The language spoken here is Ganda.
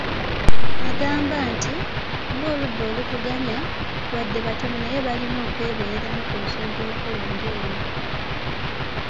Agamba nti ,"Ng’oludda oluvuganya, wadde batono naye baalina okwebeereramu ku nsonga enkulu ng’eno".